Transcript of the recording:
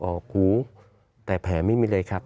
ออกหูแต่แผลไม่มีเลยครับ